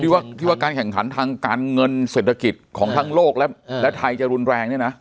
ว่าที่ว่าการแข่งขันทางการเงินเศรษฐกิจของทั้งโลกและไทยจะรุนแรงเนี่ยนะ